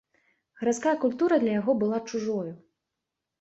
Гарадская культура для яго была чужою.